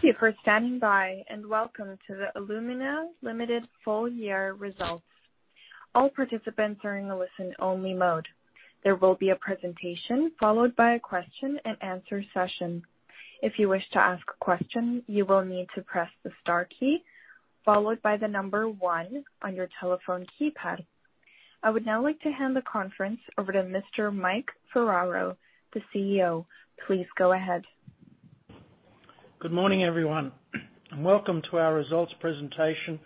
Thank you for standing by, and welcome to the Alumina Limited full year results. All participants are in a listen-only mode. There will be a presentation followed by a question and answer session. If you wish to ask a question, you will need to press the star key followed by the number one on your telephone keypad. I would now like to hand the conference over to Mr. Mike Ferraro, the CEO. Please go ahead. Good morning, everyone, and welcome to our results presentation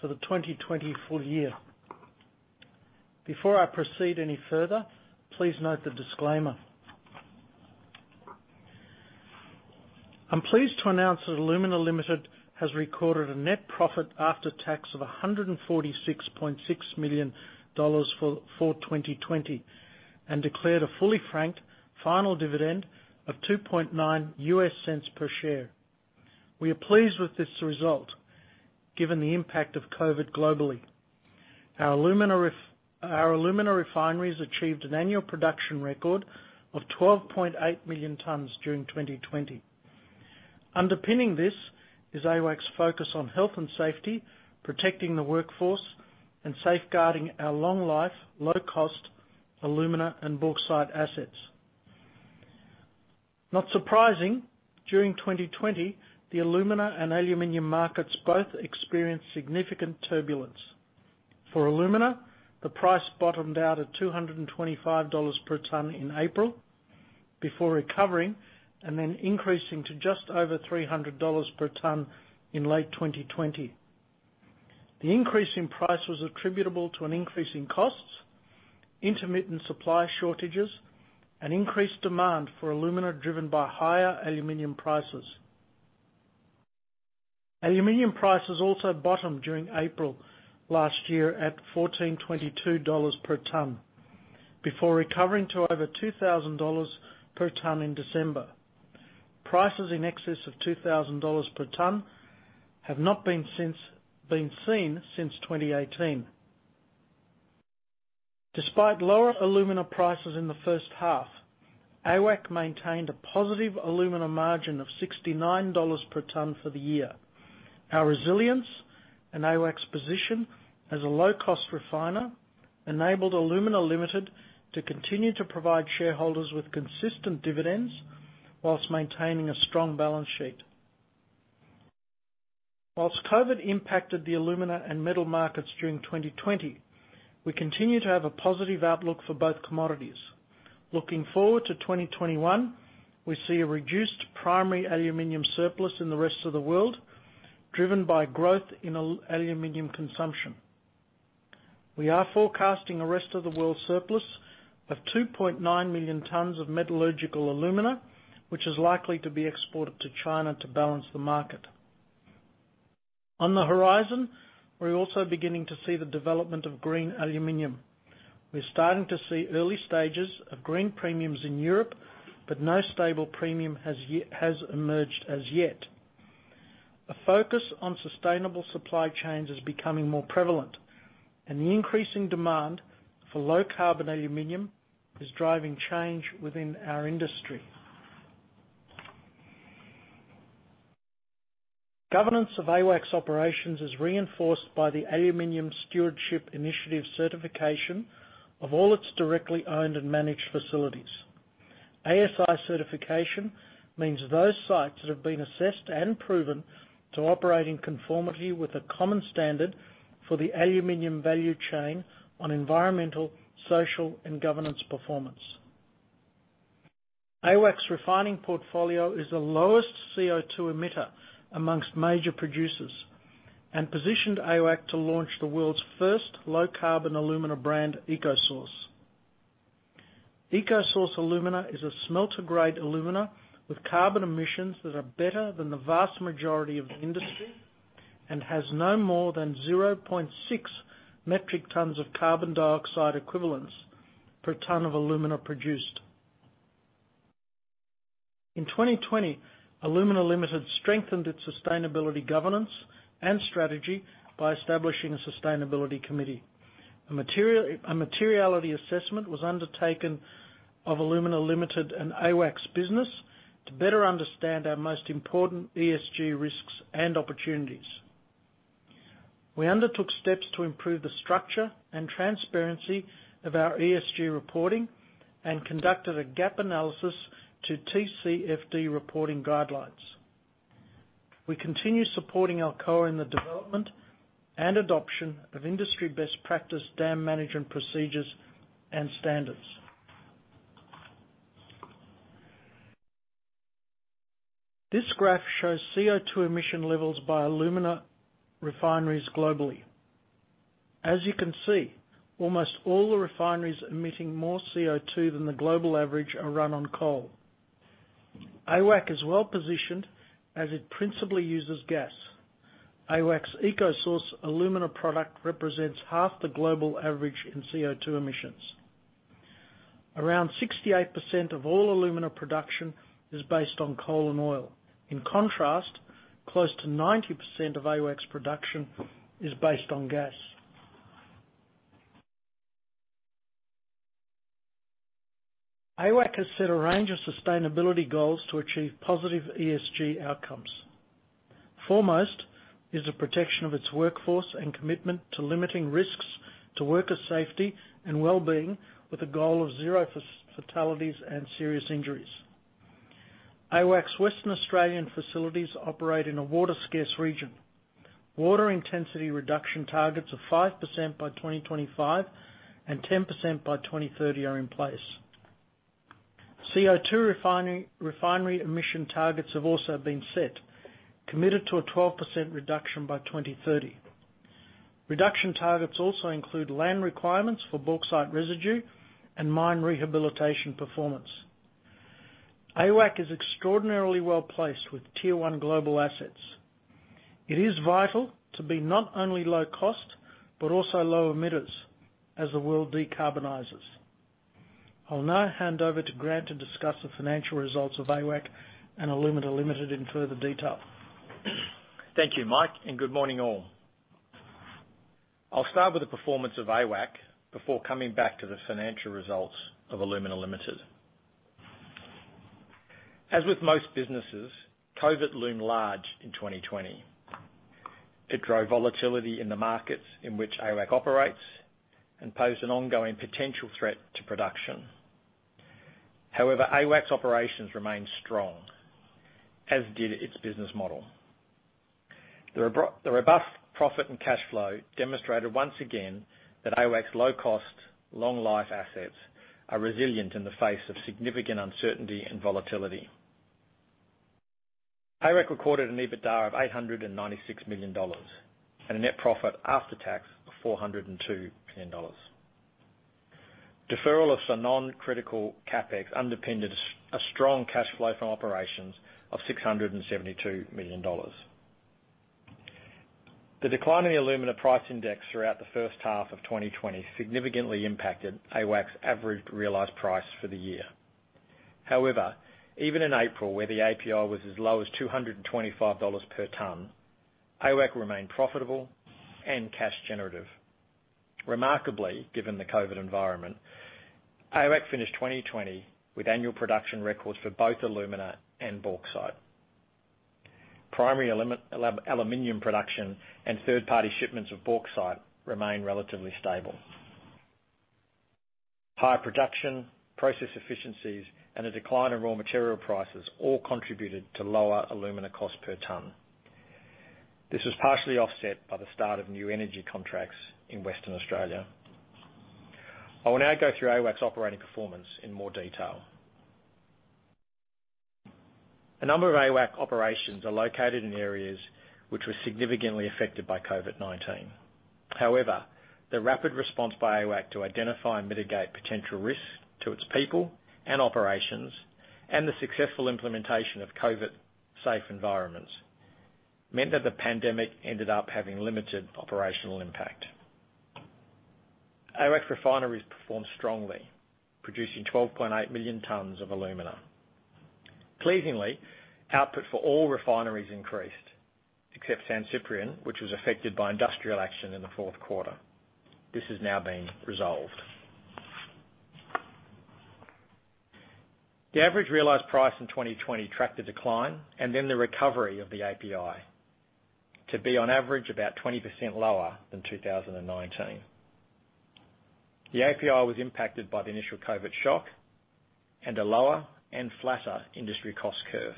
for the 2020 full year. Before I proceed any further, please note the disclaimer. I'm pleased to announce that Alumina Limited has recorded a net profit after tax of 146.6 million dollars for 2020 and declared a fully franked final dividend of $0.029 per share. We are pleased with this result given the impact of COVID globally. Our alumina refineries achieved an annual production record of 12.8 million tons during 2020. Underpinning this is AWAC's focus on health and safety, protecting the workforce, and safeguarding our long-life, low-cost alumina and bauxite assets. Not surprising, during 2020, the alumina and aluminum markets both experienced significant turbulence. For alumina, the price bottomed out at 225 dollars per ton in April before recovering and then increasing to just over 300 dollars per ton in late 2020. The increase in price was attributable to an increase in costs, intermittent supply shortages, and increased demand for alumina driven by higher aluminum prices. aluminum prices also bottomed during April last year at 1,422 dollars per ton, before recovering to over 2,000 dollars per ton in December. Prices in excess of 2,000 dollars per ton have not been seen since 2018. Despite lower alumina prices in the first half, AWAC maintained a positive alumina margin of AUD 69 per ton for the year. Our resilience and AWAC's position as a low-cost refiner enabled Alumina Limited to continue to provide shareholders with consistent dividends whilst maintaining a strong balance sheet. Whilst COVID impacted the alumina and metal markets during 2020, we continue to have a positive outlook for both commodities. Looking forward to 2021, we see a reduced primary aluminum surplus in the rest of the world driven by growth in aluminum consumption. We are forecasting a rest of the world surplus of 2.9 million tons of metallurgical alumina, which is likely to be exported to China to balance the market. On the horizon, we're also beginning to see the development of green aluminum. We're starting to see early stages of green premiums in Europe, but no stable premium has emerged as yet. A focus on sustainable supply chains is becoming more prevalent, and the increasing demand for low-carbon aluminum is driving change within our industry. Governance of AWAC's operations is reinforced by the Aluminium Stewardship Initiative certification of all its directly owned and managed facilities. ASI certification means those sites that have been assessed and proven to operate in conformity with a common standard for the aluminum value chain on environmental, social, and governance performance. AWAC's refining portfolio is the lowest CO2 emitter among major producers and positioned AWAC to launch the world's first low-carbon alumina brand, EcoSource. EcoSource alumina is a smelter-grade alumina with carbon emissions that are better than the vast majority of the industry and has no more than 0.6 metric tons of carbon dioxide equivalents per ton of alumina produced. In 2020, Alumina Limited strengthened its sustainability governance and strategy by establishing a sustainability committee. A materiality assessment was undertaken of Alumina Limited and AWAC's business to better understand our most important ESG risks and opportunities. We undertook steps to improve the structure and transparency of our ESG reporting and conducted a gap analysis to TCFD reporting guidelines. We continue supporting Alcoa in the development and adoption of industry-best-practice dam management procedures and standards. This graph shows CO2 emission levels by alumina refineries globally. As you can see, almost all the refineries emitting more CO2 than the global average are run on coal. AWAC is well-positioned, as it principally uses gas. AWAC's EcoSource alumina product represents half the global average in CO2 emissions. Around 68% of all alumina production is based on coal and oil. In contrast, close to 90% of AWAC's production is based on gas. AWAC has set a range of sustainability goals to achieve positive ESG outcomes. Foremost is the protection of its workforce and commitment to limiting risks to worker safety and well-being with a goal of zero fatalities and serious injuries. AWAC's Western Australian facilities operate in a water-scarce region. Water intensity reduction targets of 5% by 2025 and 10% by 2030 are in place. CO2 refinery emission targets have also been set, committed to a 12% reduction by 2030. Reduction targets also include land requirements for bauxite residue and mine rehabilitation performance. AWAC is extraordinarily well-placed with Tier 1 global assets. It is vital to be not only low cost, but also low emitters as the world decarbonizes. I'll now hand over to Grant to discuss the financial results of AWAC and Alumina Limited in further detail. Thank you, Mike. Good morning, all. I'll start with the performance of AWAC before coming back to the financial results of Alumina Limited. As with most businesses, COVID loomed large in 2020. It drove volatility in the markets in which AWAC operates and posed an ongoing potential threat to production. However, AWAC's operations remained strong, as did its business model. The robust profit and cash flow demonstrated once again that AWAC's low-cost, long-life assets are resilient in the face of significant uncertainty and volatility. AWAC recorded an EBITDA of 896 million dollars and a net profit after tax of 402 million dollars. Deferral of some non-critical CapEx underpinned a strong cash flow from operations of 672 million dollars. The decline in the alumina price index throughout the first half of 2020 significantly impacted AWAC's average realized price for the year. However, even in April, where the API was as low as 225 dollars per ton, AWAC remained profitable and cash generative. Remarkably, given the COVID-19 environment, AWAC finished 2020 with annual production records for both alumina and bauxite. Primary aluminum production and third-party shipments of bauxite remain relatively stable. High production, process efficiencies, and a decline in raw material prices all contributed to lower alumina cost per ton. This was partially offset by the start of new energy contracts in Western Australia. I will now go through AWAC's operating performance in more detail. A number of AWAC operations are located in areas which were significantly affected by COVID-19. However, the rapid response by AWAC to identify and mitigate potential risks to its people and operations and the successful implementation of COVID-safe environments meant that the pandemic ended up having limited operational impact. AWAC refineries performed strongly, producing 12.8 million tons of alumina. Pleasingly, output for all refineries increased, except San Ciprián, which was affected by industrial action in the fourth quarter. This is now being resolved. The average realized price in 2020 tracked the decline and then the recovery of the API to be on average about 20% lower than 2019. The API was impacted by the initial COVID shock and a lower and flatter industry cost curve.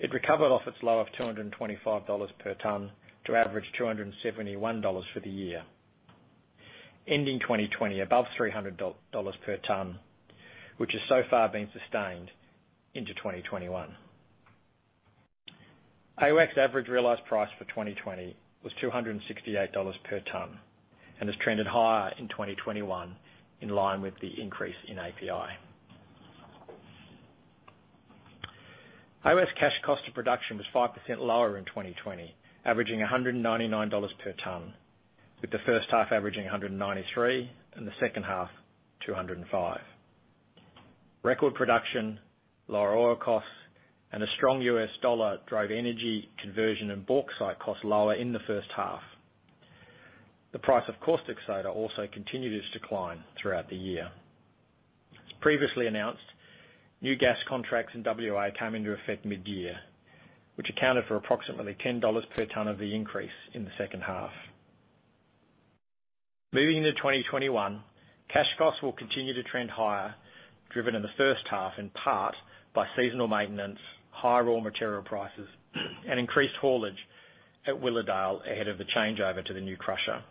It recovered off its low of 225 dollars per ton to average $271 for the year, ending 2020 above 300 dollars per ton, which has so far been sustained into 2021. AWAC's average realized price for 2020 was $268 per ton and has trended higher in 2021 in line with the increase in API. AWAC's cash cost of production was 5% lower in 2020, averaging 199 dollars per ton, with the first half averaging 193 and the second half 205. Record production, lower oil costs, and a strong US dollar drove energy conversion and bauxite costs lower in the first half. The price of caustic soda also continued its decline throughout the year. As previously announced, new gas contracts in W.A. came into effect mid-year, which accounted for approximately 10 dollars per ton of the increase in the second half. Moving into 2021, cash costs will continue to trend higher, driven in the first half in part by seasonal maintenance, higher raw material prices, and increased haulage at Willowdale ahead of the changeover to the new crusher.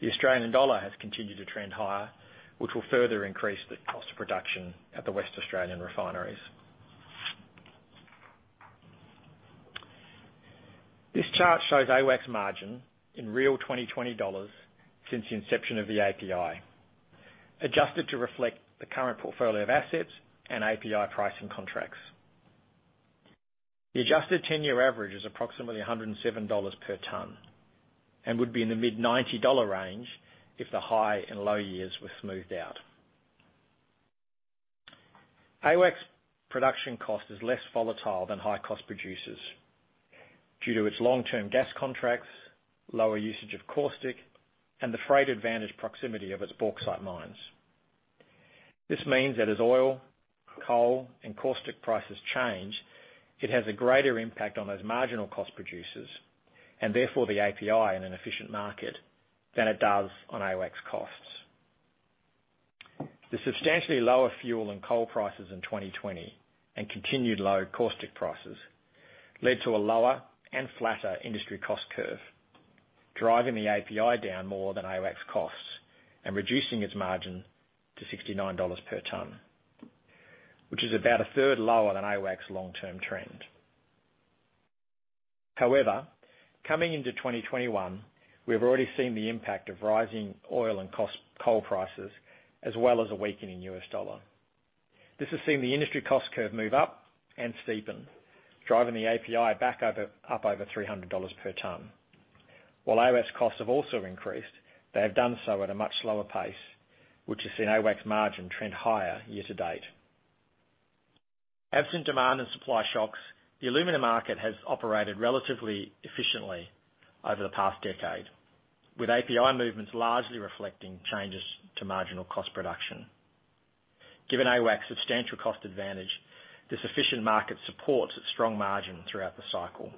The Australian dollar has continued to trend higher, which will further increase the cost of production at the West Australian refineries. This chart shows AWAC's margin in real 2020 dollars since the inception of the API, adjusted to reflect the current portfolio of assets and API pricing contracts. The adjusted 10-year average is approximately 107 dollars per ton and would be in the mid-AUD 90 range if the high and low years were smoothed out. AWAC's production cost is less volatile than high-cost producers due to its long-term gas contracts, lower usage of caustic, and the freight advantage proximity of its bauxite mines. This means that as oil, coal, and caustic prices change, it has a greater impact on those marginal cost producers, and therefore the API in an efficient market, than it does on AWAC's costs. The substantially lower fuel and coal prices in 2020 and continued low caustic prices led to a lower and flatter industry cost curve, driving the API down more than AWAC's costs and reducing its margin to 69 dollars per ton, which is about a third lower than AWAC's long-term trend. Coming into 2021, we have already seen the impact of rising oil and coal prices, as well as a weakening US dollar. This has seen the industry cost curve move up and steepen, driving the API back up over 300 dollars per ton. While AWAC's costs have also increased, they have done so at a much slower pace, which has seen AWAC's margin trend higher year to date. Absent demand and supply shocks, the alumina market has operated relatively efficiently over the past decade, with API movements largely reflecting changes to marginal cost production. Given AWAC's substantial cost advantage, this efficient market supports a strong margin throughout the cycle.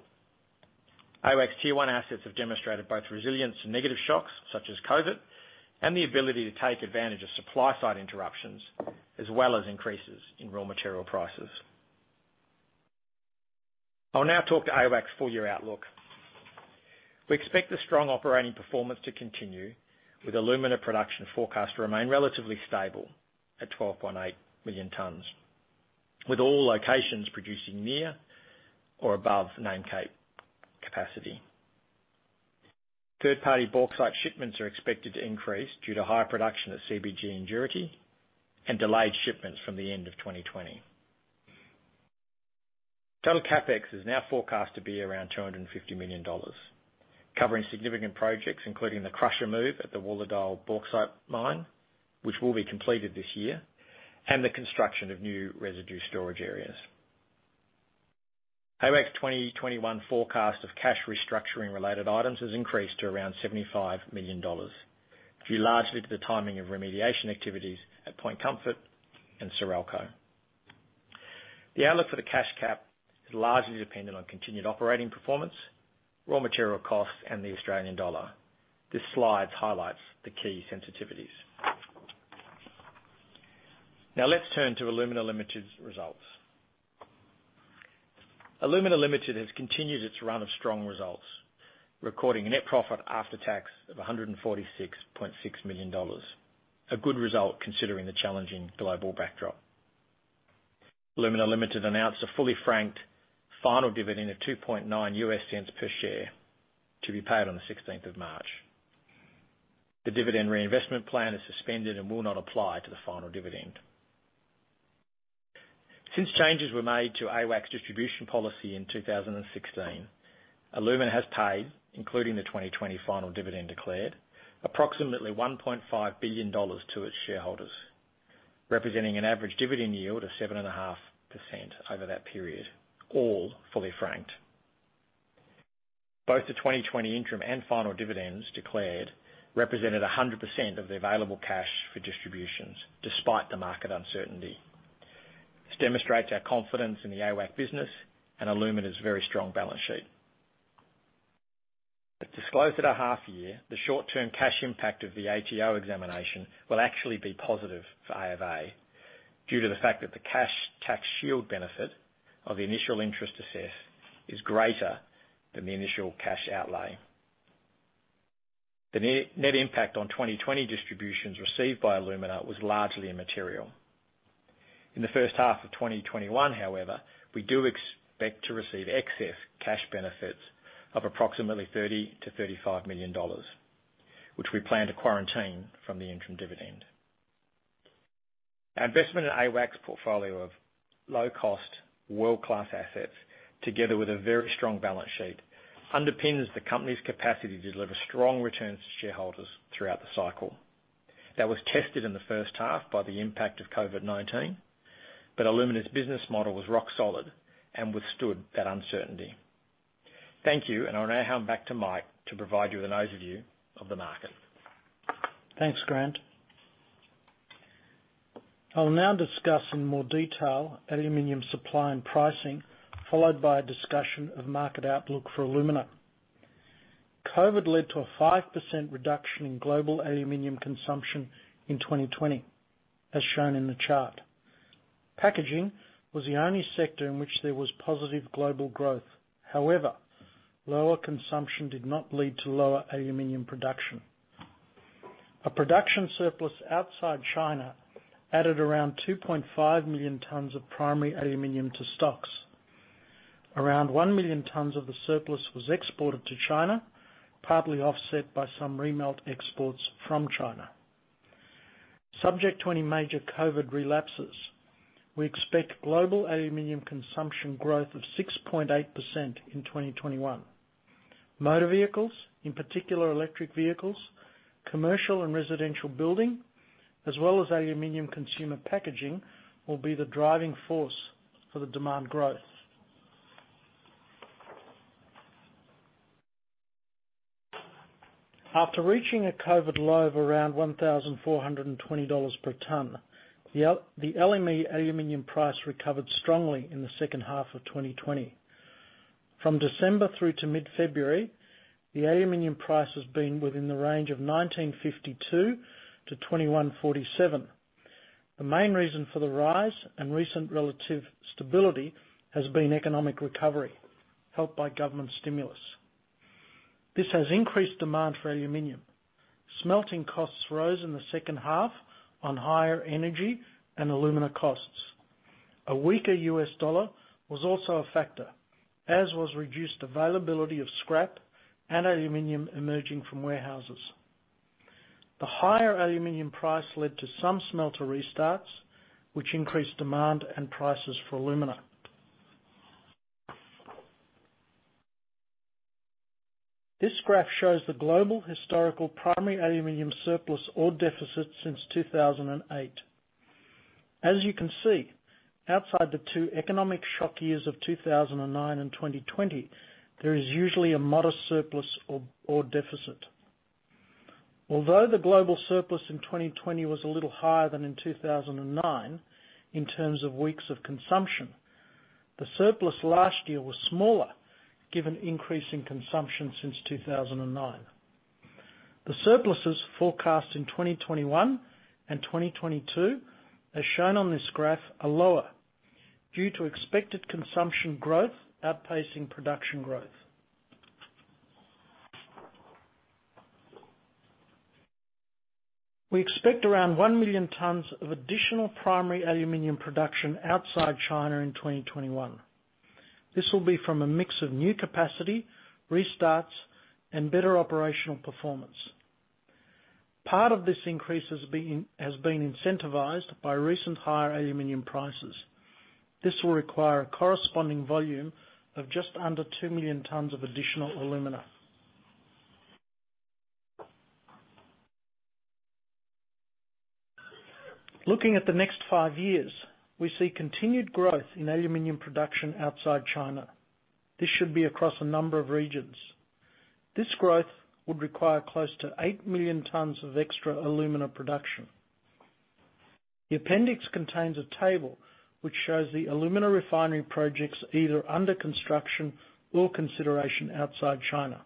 AWAC Tier 1 assets have demonstrated both resilience to negative shocks such as COVID, and the ability to take advantage of supply-side interruptions, as well as increases in raw material prices. I'll now talk to AWAC's full-year outlook. We expect the strong operating performance to continue, with alumina production forecast to remain relatively stable at 12.8 million tons, with all locations producing near or above nameplate capacity. Third-party bauxite shipments are expected to increase due to higher production at CBG and Juruti and delayed shipments from the end of 2020. Total CapEx is now forecast to be around AUD 250 million, covering significant projects, including the crusher move at the Willowdale Bauxite Mine, which will be completed this year, and the construction of new residue storage areas. AWAC's 2021 forecast of cash restructuring-related items has increased to around AUD 75 million, due largely to the timing of remediation activities at Point Comfort and Suralco. The outlook for the cash CapEx is largely dependent on continued operating performance, raw material costs, and the Australian dollar. This slide highlights the key sensitivities. Now let's turn to Alumina Limited's results. Alumina Limited has continued its run of strong results, recording a net profit after tax of 146.6 million dollars, a good result considering the challenging global backdrop. Alumina Limited announced a fully franked final dividend of $0.029 per share to be paid on the 16th of March. The dividend reinvestment plan is suspended and will not apply to the final dividend. Since changes were made to AWAC's distribution policy in 2016, Alumina has paid, including the 2020 final dividend declared, approximately $1.5 billion to its shareholders, representing an average dividend yield of 7.5% over that period, all fully franked. Both the 2020 interim and final dividends declared represented 100% of the available cash for distributions, despite the market uncertainty. This demonstrates our confidence in the AWAC business and Alumina's very strong balance sheet. As disclosed at our half year, the short-term cash impact of the ATO examination will actually be positive for Alumina, due to the fact that the cash tax shield benefit of the initial interest assess is greater than the initial cash outlay. The net impact on 2020 distributions received by Alumina was largely immaterial. In the first half of 2021, however, we do expect to receive excess cash benefits of approximately AUD 30 million-AUD 35 million, which we plan to quarantine from the interim dividend. Our investment in AWAC's portfolio of low-cost world-class assets, together with a very strong balance sheet, underpins the company's capacity to deliver strong returns to shareholders throughout the cycle. That was tested in the first half by the impact of COVID-19, but Alumina's business model was rock solid and withstood that uncertainty. Thank you, and I'll now hand back to Mike to provide you with an overview of the market. Thanks, Grant. I'll now discuss in more detail aluminum supply and pricing, followed by a discussion of market outlook for alumina. COVID led to a 5% reduction in global aluminum consumption in 2020, as shown in the chart. Packaging was the only sector in which there was positive global growth. Lower consumption did not lead to lower aluminum production. A production surplus outside China added around 2.5 million tons of primary aluminum to stocks. Around 1 million tons of the surplus was exported to China, partly offset by some remelt exports from China. Subject to any major COVID relapses, we expect global aluminum consumption growth of 6.8% in 2021. Motor vehicles, in particular, electric vehicles, commercial and residential building, as well as aluminum consumer packaging, will be the driving force for the demand growth. After reaching a COVID low of around 1,420 dollars per tonne, the LME aluminum price recovered strongly in the second half of 2020. From December through to mid-February, the aluminum price has been within the range of 1,952-2,147. The main reason for the rise and recent relative stability has been economic recovery, helped by government stimulus. This has increased demand for aluminum. Smelting costs rose in the second half on higher energy and alumina costs. A weaker US dollar was also a factor, as was reduced availability of scrap and aluminum emerging from warehouses. The higher aluminum price led to some smelter restarts, which increased demand and prices for alumina. This graph shows the global historical primary aluminum surplus or deficit since 2008. As you can see, outside the two economic shock years of 2009 and 2020, there is usually a modest surplus or deficit. Although the global surplus in 2020 was a little higher than in 2009 in terms of weeks of consumption, the surplus last year was smaller given increase in consumption since 2009. The surpluses forecast in 2021 and 2022, as shown on this graph, are lower due to expected consumption growth outpacing production growth. We expect around 1 million tons of additional primary aluminum production outside China in 2021. This will be from a mix of new capacity, restarts, and better operational performance. Part of this increase has been incentivized by recent higher aluminum prices. This will require a corresponding volume of just under 2 million tons of additional alumina. Looking at the next five years, we see continued growth in aluminum production outside China. This should be across a number of regions. This growth would require close to 8 million tons of extra alumina production. The appendix contains a table which shows the alumina refinery projects either under construction or consideration outside China.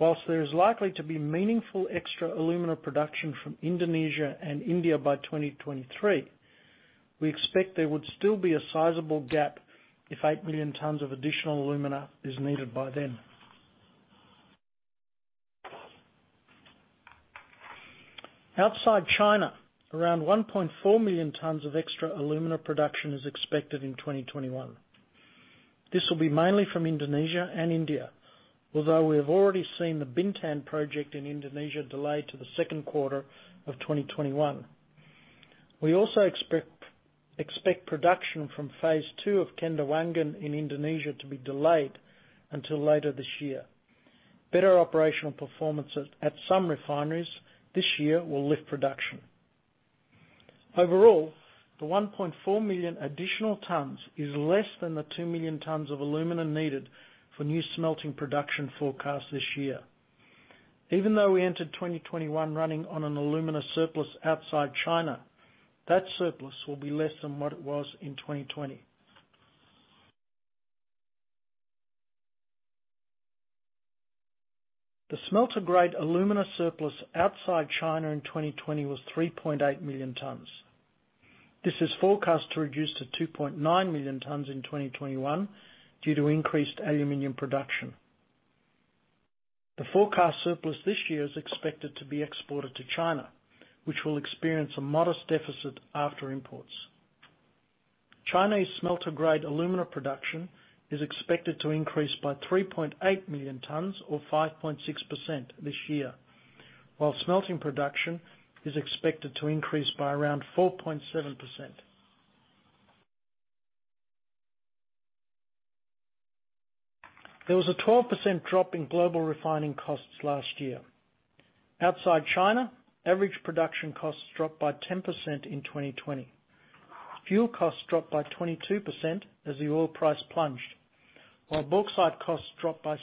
Whilst there is likely to be meaningful extra alumina production from Indonesia and India by 2023, we expect there would still be a sizable gap if 8 million tons of additional alumina is needed by then. Outside China, around 1.4 million tons of extra alumina production is expected in 2021. This will be mainly from Indonesia and India, although we have already seen the Bintan project in Indonesia delayed to the second quarter of 2021. We also expect production from phase two of Kendawangan in Indonesia to be delayed until later this year. Better operational performance at some refineries this year will lift production. Overall, the 1.4 million additional tons is less than the 2 million tons of alumina needed for new smelting production forecast this year. Even though we entered 2021 running on an alumina surplus outside China, that surplus will be less than what it was in 2020. The smelter-grade alumina surplus outside China in 2020 was 3.8 million tons. This is forecast to reduce to 2.9 million tons in 2021 due to increased aluminum production. The forecast surplus this year is expected to be exported to China, which will experience a modest deficit after imports. China's smelter-grade alumina production is expected to increase by 3.8 million tons or 5.6% this year, while smelting production is expected to increase by around 4.7%. There was a 12% drop in global refining costs last year. Outside China, average production costs dropped by 10% in 2020. Fuel costs dropped by 22% as the oil price plunged, while bauxite costs dropped by 6%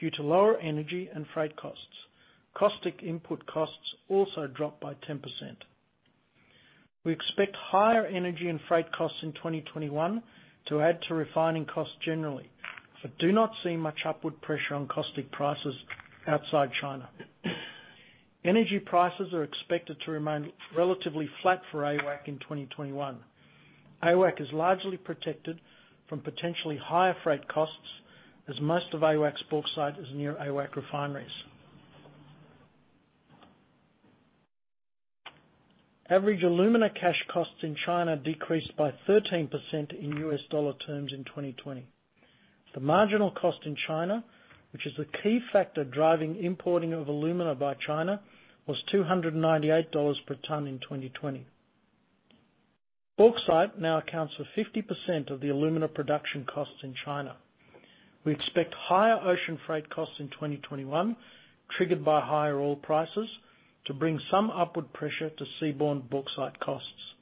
due to lower energy and freight costs. Caustic input costs also dropped by 10%. We expect higher energy and freight costs in 2021 to add to refining costs generally, but do not see much upward pressure on caustic prices outside China. Energy prices are expected to remain relatively flat for AWAC in 2021. AWAC is largely protected from potentially higher freight costs as most of AWAC's bauxite is near AWAC refineries. Average alumina cash costs in China decreased by 13% in US dollar terms in 2020. The marginal cost in China, which is the key factor driving importing of alumina by China, was $298 per ton in 2020. Bauxite now accounts for 50% of the alumina production costs in China. We expect higher ocean freight costs in 2021, triggered by higher oil prices, to bring some upward pressure to seaborne bauxite costs.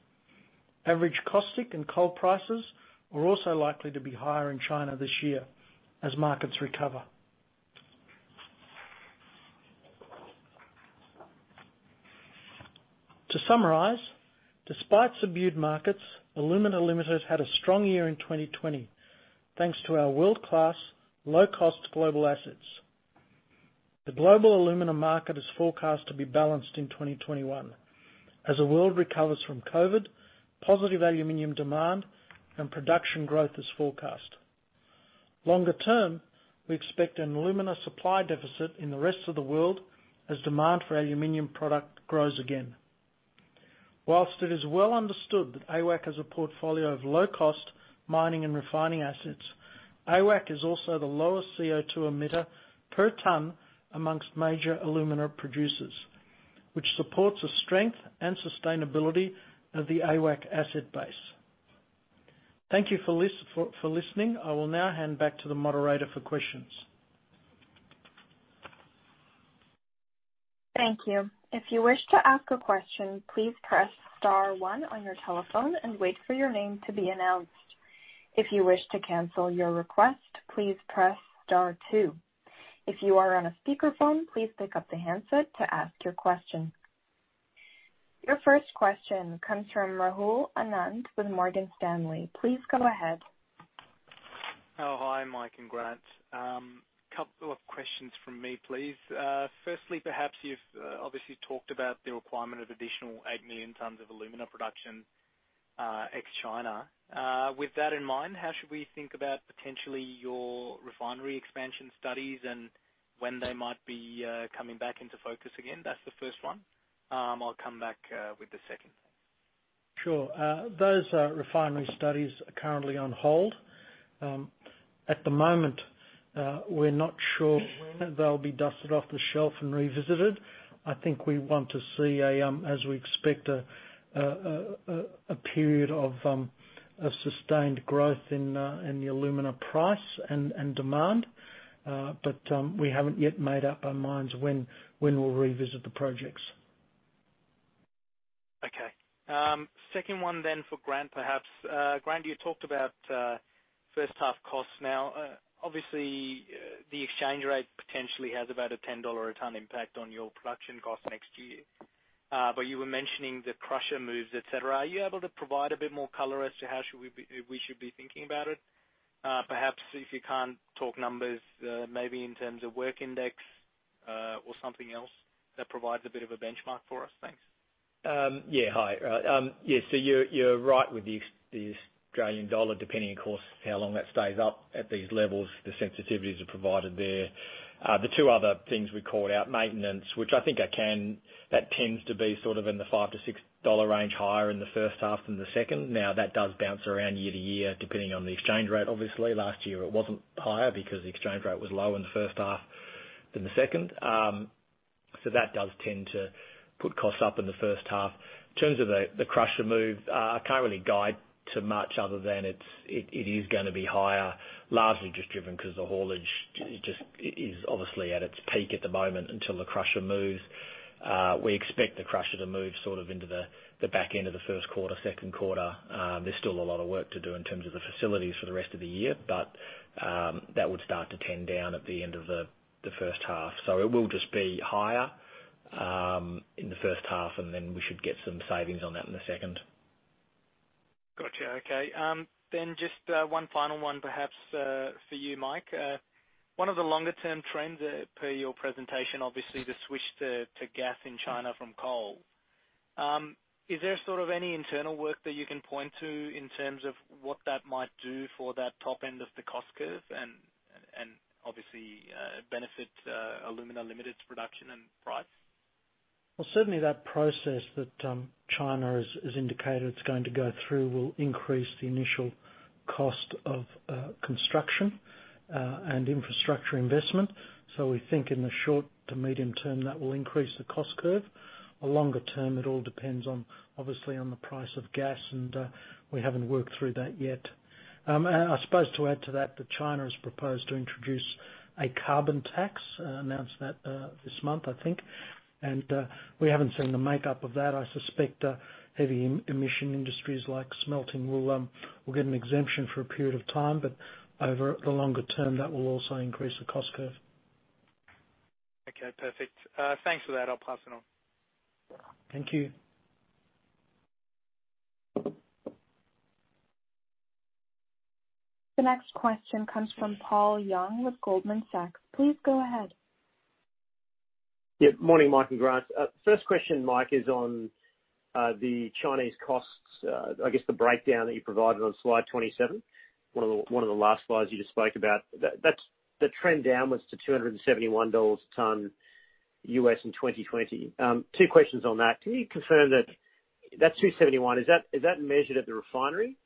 Average caustic and coal prices are also likely to be higher in China this year as markets recover. To summarize, despite subdued markets, Alumina Limited had a strong year in 2020, thanks to our world-class, low-cost global assets. The global aluminum market is forecast to be balanced in 2021 as the world recovers from COVID, positive aluminum demand, and production growth is forecast. Longer term, we expect an alumina supply deficit in the rest of the world as demand for aluminum product grows again. Whilst it is well understood that AWAC has a portfolio of low-cost mining and refining assets, AWAC is also the lowest CO2 emitter per ton amongst major alumina producers, which supports the strength and sustainability of the AWAC asset base. Thank you for listening. I will now hand back to the moderator for questions. Thank you. If you wish to ask a question, please press star one on your telephone and wait for your name to be announced. If you wish to cancel your request, please press star two. If you are on a speakerphone, please pick up the handset to ask your question. Your first question comes from Rahul Anand with Morgan Stanley. Please go ahead. Oh, hi, Mike and Grant. Couple of questions from me, please. Firstly, perhaps you've obviously talked about the requirement of additional 8 million tons of alumina production ex-China. With that in mind, how should we think about potentially your refinery expansion studies and when they might be coming back into focus again? That's the first one. I'll come back with the second. Sure. Those refinery studies are currently on hold. At the moment, we're not sure when they'll be dusted off the shelf and revisited. I think we want to see, as we expect, a period of sustained growth in the alumina price and demand. We haven't yet made up our minds when we'll revisit the projects. Okay. Second one then for Grant, perhaps. Grant, you talked about first half costs now. Obviously, the exchange rate potentially has about a 10 dollar a ton impact on your production cost next year. You were mentioning the crusher moves, et cetera. Are you able to provide a bit more color as to how we should be thinking about it? Perhaps if you can't talk numbers, maybe in terms of work index or something else that provides a bit of a benchmark for us. Thanks. Yeah. Hi. Yeah. You're right with the Australian dollar, depending, of course, how long that stays up at these levels. The sensitivities are provided there. The two other things we called out, maintenance, which I think I can, that tends to be sort of in the 5-6 dollar range higher in the first half than the second. That does bounce around year-to-year, depending on the exchange rate, obviously. Last year it wasn't higher because the exchange rate was lower in the first half than the second. That does tend to put costs up in the first half. In terms of the crusher move, I can't really guide to much other than it is going to be higher, largely driven because the haulage is obviously at its peak at the moment until the crusher moves. We expect the crusher to move sort of into the back end of the first quarter, second quarter. There's still a lot of work to do in terms of the facilities for the rest of the year, but that would start to tend down at the end of the first half. It will just be higher in the first half, and then we should get some savings on that in the second. Gotcha. Okay. Just one final one perhaps for you, Mike. One of the longer-term trends per your presentation, obviously the switch to gas in China from coal. Is there sort of any internal work that you can point to in terms of what that might do for that top end of the cost curve and obviously benefit Alumina Limited's production and price? Certainly that process that China has indicated it's going to go through will increase the initial cost of construction and infrastructure investment. We think in the short to medium term, that will increase the cost curve. Longer term, it all depends, obviously, on the price of gas, and we haven't worked through that yet. I suppose to add to that China has proposed to introduce a carbon tax, announced that this month, I think. We haven't seen the makeup of that. I suspect heavy emission industries like smelting will get an exemption for a period of time. Over the longer term, that will also increase the cost curve. Okay, perfect. Thanks for that. I will pass it on. Thank you. The next question comes from Paul Young with Goldman Sachs. Please go ahead. Morning, Mike and Grant. First question, Mike, is on the Chinese costs. I guess the breakdown that you provided on slide 27, one of the last slides you just spoke about. The trend downwards to $271 a ton in 2020. Two questions on that. Can you confirm that that $271, is that measured at the refinery,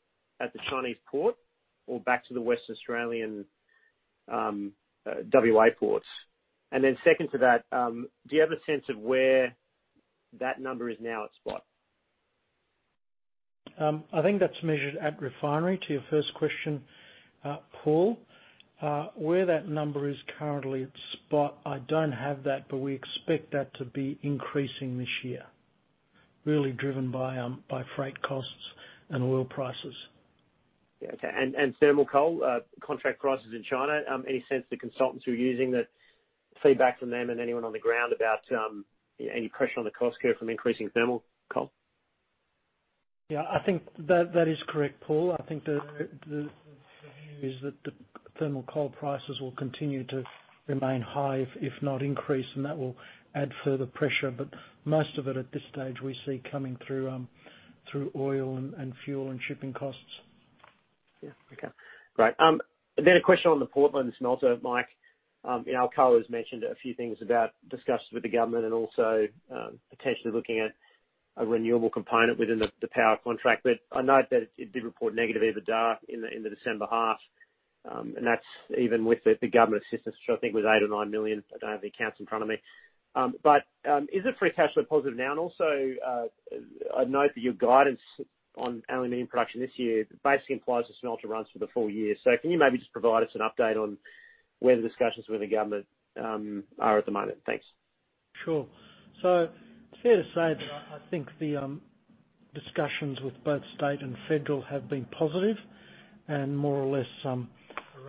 at the Chinese port, or back to the West Australian ports. Second to that, do you have a sense of where that number is now at spot? I think that's measured at refinery, to your first question, Paul. Where that number is currently at spot, I don't have that, but we expect that to be increasing this year. Really driven by freight costs and oil prices. Yeah, okay. Thermal coal contract prices in China, any sense the consultants who are using the feedback from them and anyone on the ground about any pressure on the cost curve from increasing thermal coal? Yeah, I think that is correct, Paul. I think the view is that the thermal coal prices will continue to remain high, if not increase, and that will add further pressure. Most of it at this stage we see coming through oil and fuel and shipping costs. Yeah. Okay. Great. A question on the Portland smelter, Mike. I know Alcoa has mentioned a few things about discussions with the government and also potentially looking at a renewable component within the power contract, but I note that it did report negative EBITDA in the December half. That's even with the government assistance, which I think was 8 million or 9 million. I don't have the accounts in front of me. Is it free cash flow positive now? Also, I note that your guidance on aluminum production this year basically implies the smelter runs for the full year. Can you maybe just provide us an update on where the discussions with the government are at the moment? Thanks. Sure. It's fair to say that I think the discussions with both state and federal have been positive, and more or less some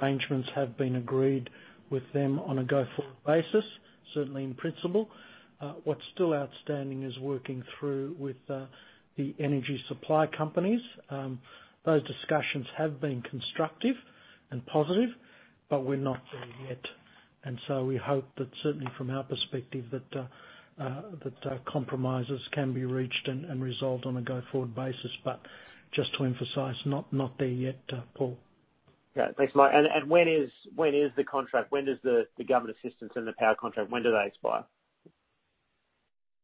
arrangements have been agreed with them on a go-forward basis, certainly in principle. What's still outstanding is working through with the energy supply companies. Those discussions have been constructive and positive, we're not there yet. We hope that, certainly from our perspective, that compromises can be reached and resolved on a go-forward basis. Just to emphasize, not there yet, Paul. Yeah. Thanks, Mike. When is the contract, when does the government assistance and the power contract, when do they expire?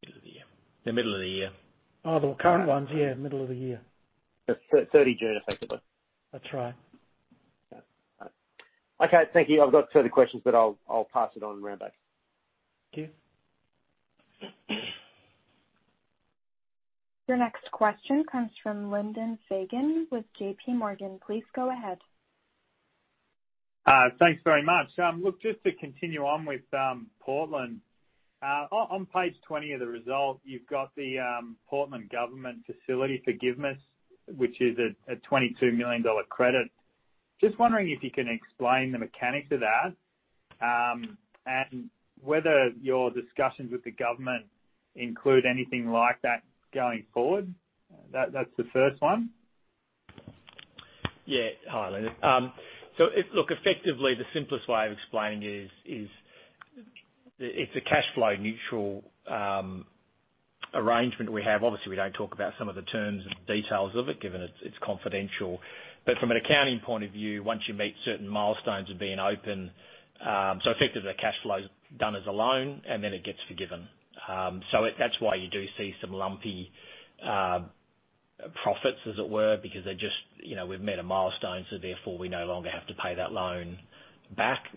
Middle of the year. The middle of the year. Oh, the current ones? Yeah. Middle of the year. 30 June, effectively. That's right. Okay. Thank you. I've got further questions, but I'll pass it on around back. Thank you. Your next question comes from Lyndon Fagan with JPMorgan. Please go ahead. Thanks very much. Look, just to continue on with Portland. On page 20 of the results, you've got the Portland government facility forgiveness, which is an 22 million dollar credit. Just wondering if you can explain the mechanics of that, and whether your discussions with the government include anything like that going forward. That is the first one. Hi, Lyndon. Effectively, the simplest way of explaining it is, it's a cash flow neutral arrangement we have. Obviously, we don't talk about some of the terms and details of it, given it's confidential. From an accounting point of view, once you meet certain milestones of being open, effectively the cash flow is done as a loan, and then it gets forgiven. That's why you do see some lumpy profits, as it were, because we've met a milestone, therefore, we no longer have to pay that loan back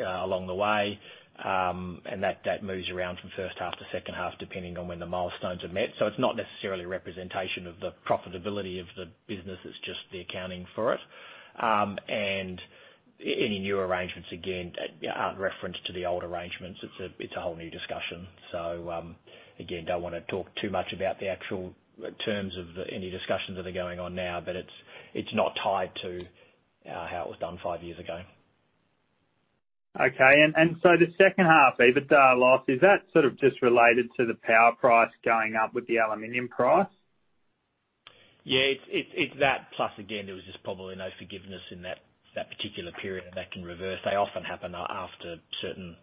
along the way. That moves around from first half to second half, depending on when the milestones are met. It's not necessarily a representation of the profitability of the business, it's just the accounting for it. Any new arrangements, again, aren't referenced to the old arrangements. It's a whole new discussion. Again, don't want to talk too much about the actual terms of any discussions that are going on now, but it's not tied to how it was done five years ago. Okay. The second half EBITDA loss, is that sort of just related to the power price going up with the aluminum price? Yeah. It's that plus again, there was just probably no forgiveness in that particular period. That can reverse. They often happen after certain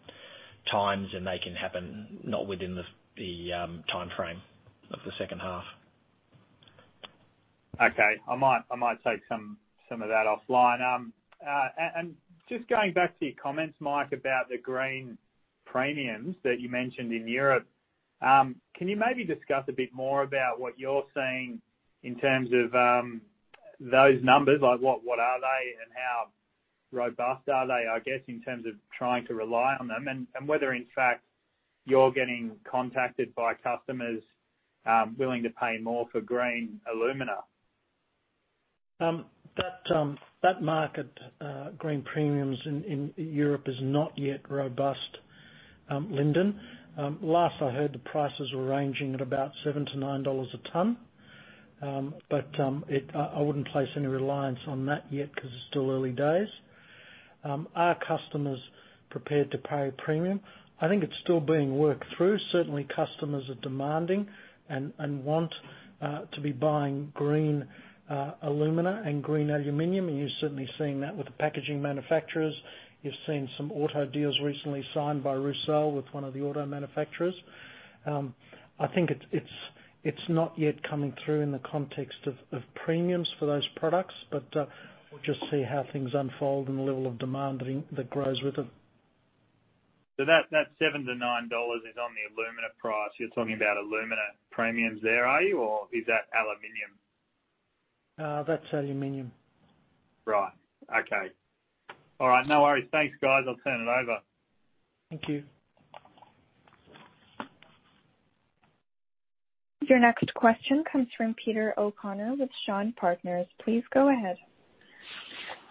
times. They can happen not within the timeframe of the second half. Okay. I might take some of that offline. Just going back to your comments, Mike, about the green premiums that you mentioned in Europe. Can you maybe discuss a bit more about what you're seeing in terms of those numbers? Like what are they, and how robust are they, I guess, in terms of trying to rely on them? Whether, in fact, you're getting contacted by customers willing to pay more for green alumina. That market, green premiums in Europe, is not yet robust, Lyndon. Last I heard, the prices were ranging at about AUD $7-AUD 9 a ton. I wouldn't place any reliance on that yet because it's still early days. Are customers prepared to pay a premium? I think it's still being worked through. Certainly, customers are demanding and want to be buying green alumina and green aluminum. You're certainly seeing that with the packaging manufacturers. You've seen some auto deals recently signed by RUSAL with one of the auto manufacturers. I think it's not yet coming through in the context of premiums for those products. We'll just see how things unfold and the level of demand that grows with it. That $7-$9 is on the alumina price. You're talking about alumina premiums there, are you? Or is that aluminum? That's aluminum. Right. Okay. All right. No worries. Thanks, guys. I'll turn it over. Thank you. Your next question comes from Peter O'Connor with Shaw and Partners. Please go ahead.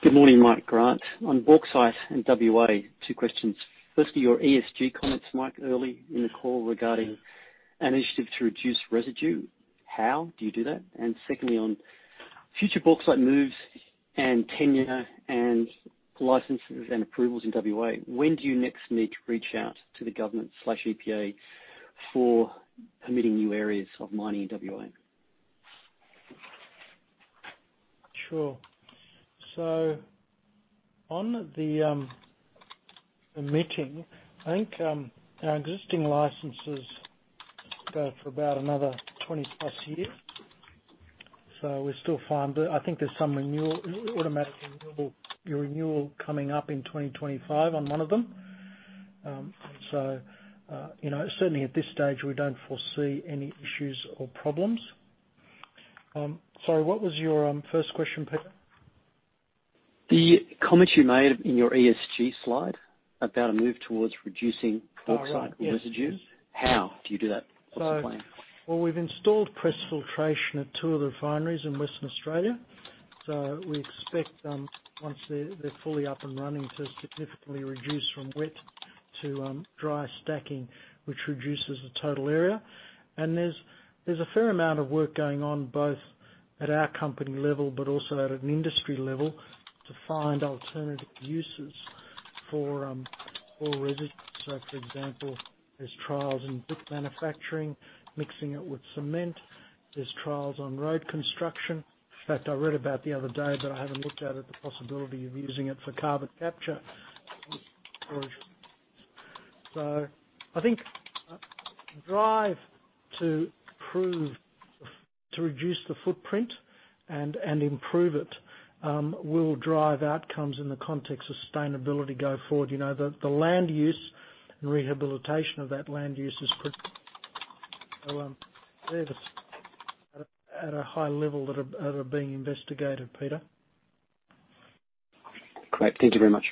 Good morning, Mike, Grant. On bauxite and W.A., two questions. Firstly, your ESG comments, Mike, early in the call regarding an initiative to reduce residue. How do you do that? Secondly, on future bauxite moves and tenure and licenses and approvals in W.A., when do you next need to reach out to the government/EPA for permitting new areas of mining in W.A.? Sure. On the permitting, I think our existing licenses go for about another 20+ years, so we're still fine there. I think there's some automatic renewal coming up in 2025 on one of them. Certainly at this stage, we don't foresee any issues or problems. Sorry, what was your first question, Peter? The comments you made in your ESG slide about a move towards reducing bauxite residues. Oh, right. Yes. How do you do that? What's the plan? Well, we've installed press filtration at two of the refineries in Western Australia. We expect once they're fully up and running to significantly reduce from wet to dry stacking, which reduces the total area. There's a fair amount of work going on, both at our company level, but also at an industry level, to find alternative uses for all residues. For example, there's trials in brick manufacturing, mixing it with cement. There's trials on road construction. In fact, I read about the other day, but I haven't looked at it, the possibility of using it for carbon capture and storage. I think the drive to reduce the footprint and improve it will drive outcomes in the context of sustainability going forward. The land use and rehabilitation of that land use is pretty They're at a high level that are being investigated, Peter. Great. Thank you very much.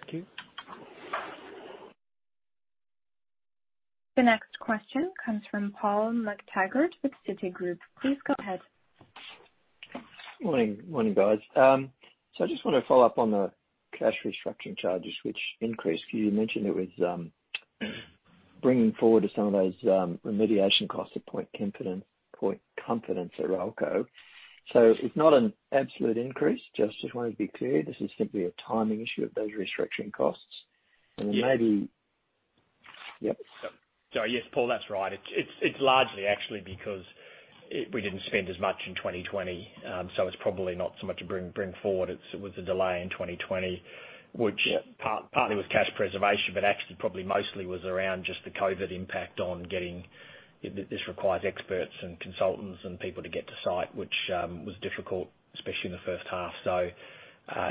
Thank you. The next question comes from Paul McTaggart with Citigroup. Please go ahead. Morning, guys. I just want to follow up on the cash restructuring charges, which increased. You mentioned it was bringing forward some of those remediation costs at Point Comfort and Suralco. It's not an absolute increase. Just wanted to be clear, this is simply a timing issue of those restructuring costs. Yes. Maybe. Yep. Sorry. Yes, Paul, that's right. It's largely actually because we didn't spend as much in 2020. It's probably not so much a bring forward, it was a delay in 2020, which partly was cash preservation, but actually probably mostly was around just the COVID impact. This requires experts and consultants and people to get to site, which was difficult, especially in the first half.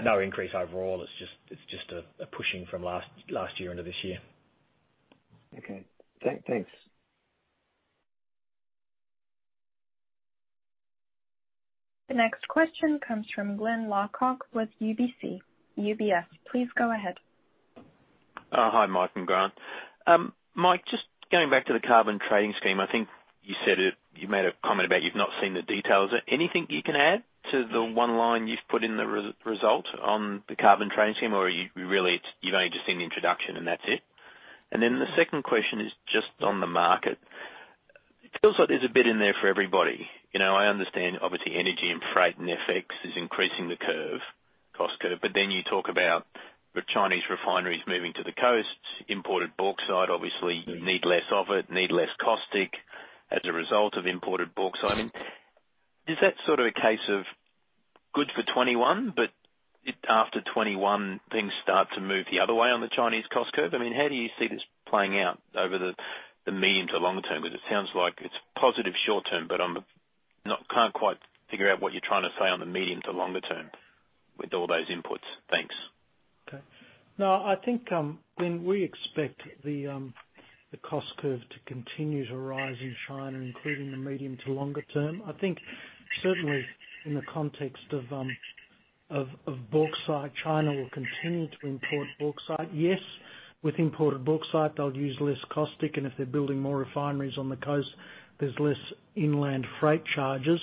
No increase overall. It's just a pushing from last year into this year. Okay. Thanks. The next question comes from Glyn Lawcock with UBS. Please go ahead. Oh, hi, Mike and Grant. Mike, just going back to the carbon trading scheme, I think you made a comment about you've not seen the details. Anything you can add to the one line you've put in the result on the carbon trading scheme, or you've only just seen the introduction and that's it? The second question is just on the market. It feels like there's a bit in there for everybody. I understand obviously energy and freight and FX is increasing the curve, cost curve. You talk about the Chinese refineries moving to the coast, imported bauxite, obviously you need less of it, need less caustic as a result of imported bauxite. I mean, is that sort of a case of good for 2021, but after 2021, things start to move the other way on the Chinese cost curve? I mean, how do you see this playing out over the medium to longer term? It sounds like it's positive short term, but I can't quite figure out what you're trying to say on the medium to longer term with all those inputs. Thanks. Okay. I think, Glyn, we expect the cost curve to continue to rise in China, including the medium to longer term. I think certainly in the context of bauxite, China will continue to import bauxite. With imported bauxite, they'll use less caustic, and if they're building more refineries on the coast, there's less inland freight charges.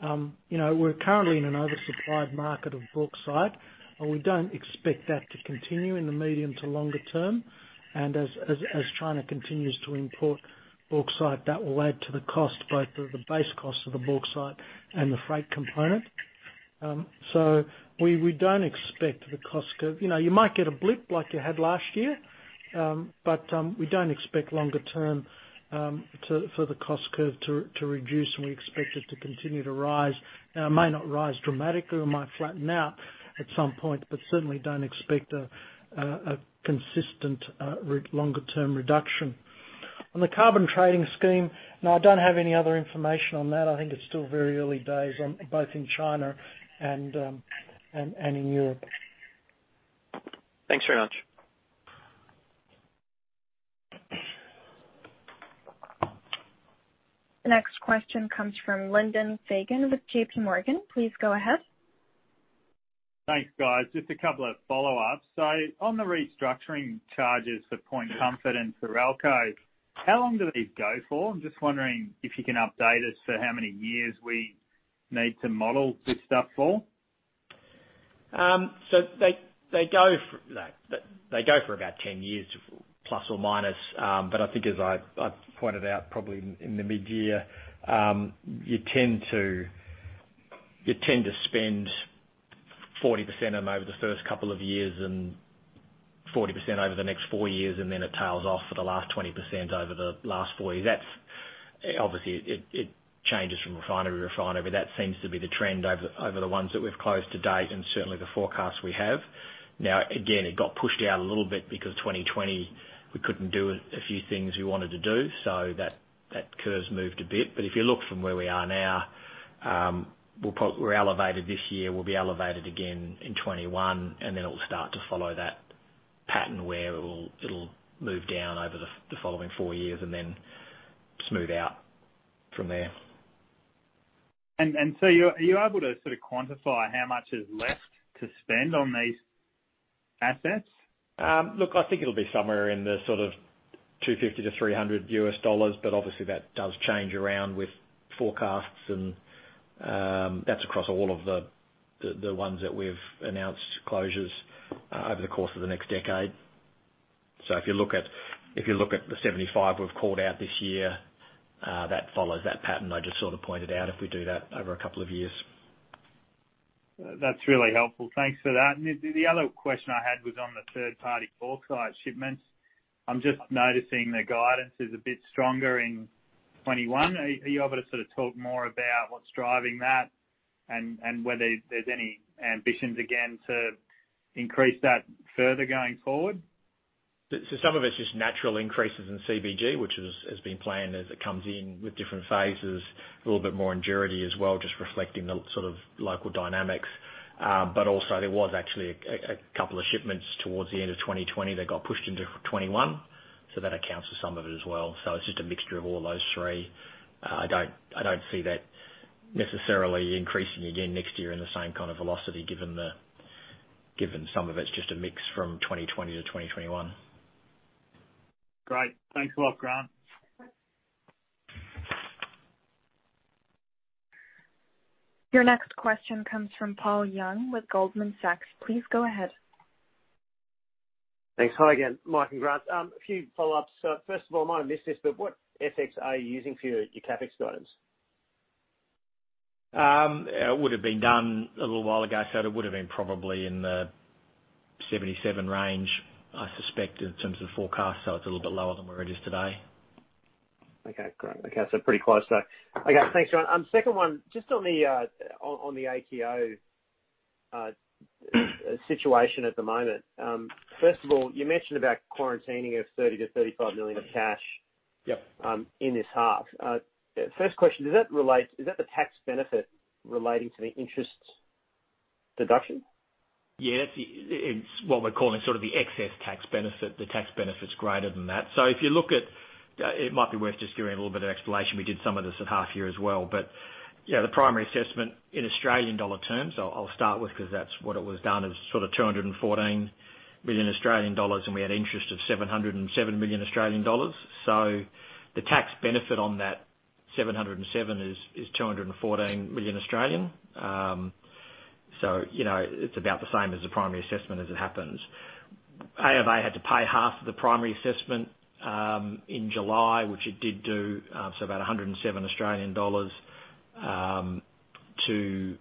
We're currently in an oversupplied market of bauxite, and we don't expect that to continue in the medium to longer term. As China continues to import bauxite, that will add to the cost, both the base cost of the bauxite and the freight component. You might get a blip like you had last year. We don't expect longer term for the cost curve to reduce, and we expect it to continue to rise. It may not rise dramatically. It might flatten out at some point, but certainly don't expect a consistent longer-term reduction. On the carbon trading scheme, no, I don't have any other information on that. I think it's still very early days, both in China and in Europe. Thanks very much. The next question comes from Lyndon Fagan with JPMorgan. Please go ahead. Thanks, guys. Just a couple of follow-ups. On the restructuring charges for Point Comfort and Suralco, how long do these go for? I'm just wondering if you can update us for how many years we need to model this stuff for. They go for about 10 years, plus or minus. I think as I pointed out probably in the mid-year, you tend to spend 40% of them over the first couple of years and 40% over the next four years, and then it tails off for the last 20% over the last four years. Obviously, it changes from refinery to refinery, but that seems to be the trend over the ones that we've closed to date and certainly the forecasts we have. Again, it got pushed out a little bit because in 2020 we couldn't do a few things we wanted to do, so that curve's moved a bit. If you look from where we are now, we're elevated this year, we'll be elevated again in 2021, and then it'll start to follow that pattern where it'll move down over the following four years and then smooth out from there. Are you able to quantify how much is left to spend on these assets? Look, I think it'll be somewhere in the sort of $250-$300. Obviously that does change around with forecasts, and that's across all of the ones that we've announced closures over the course of the next decade. If you look at the 75 we've called out this year, that follows that pattern I just sort of pointed out if we do that over a couple of years. That's really helpful. Thanks for that. The other question I had was on the third-party bauxite shipments. I'm just noticing the guidance is a bit stronger in 2021. Are you able to sort of talk more about what's driving that and whether there's any ambitions again to increase that further going forward? Some of it's just natural increases in CBG, which has been planned as it comes in with different phases, a little bit more in Juruti as well, just reflecting the sort of local dynamics. Also there was actually a couple of shipments towards the end of 2020 that got pushed into 2021. That accounts for some of it as well. It's just a mixture of all those three. I don't see that necessarily increasing again next year in the same kind of velocity given some of it's just a mix from 2020-2021. Great. Thanks a lot, Grant. Your next question comes from Paul Young with Goldman Sachs. Please go ahead. Thanks. Hi again, Mike and Grant. A few follow-ups. First of all, I might have missed this, but what FX are you using for your CapEx guidance? It would have been done a little while ago, so it would have been probably in the 77 range, I suspect, in terms of forecast. It's a little bit lower than where it is today. Okay, great. Okay, so pretty close though. Okay, thanks, Grant. Second one, just on the ATO situation at the moment. First of all, you mentioned about quarantining of 30 million-35 million of cash. Yep. In this half. First question, is that the tax benefit relating to the interest deduction? Yeah, that's what we're calling sort of the excess tax benefit. The tax benefit's greater than that. It might be worth just giving a little bit of explanation. We did some of this at half year as well. The primary assessment in Australian dollar terms, I'll start with, because that's what it was done, is sort of 214 million Australian dollars, and we had interest of 707 million Australian dollars. The tax benefit on that 707 million is 214 million. It's about the same as the primary assessment as it happens. AWAC had to pay half of the primary assessment in July, which it did do, about 107 Australian dollars so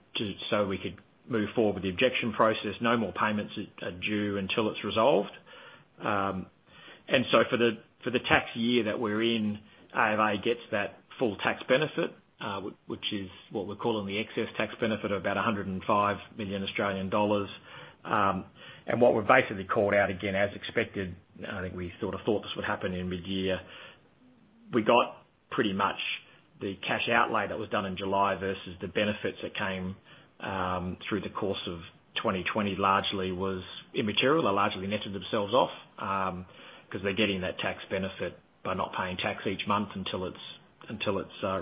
we could move forward with the objection process. No more payments are due until it's resolved. For the tax year that we're in, AWAC gets that full tax benefit, which is what we're calling the excess tax benefit of about 105 million Australian dollars. What we've basically called out, again, as expected, I think we sort of thought this would happen in mid-year, we got pretty much the cash outlay that was done in July versus the benefits that came through the course of 2020 largely was immaterial. They largely netted themselves off because they're getting that tax benefit by not paying tax each month until it's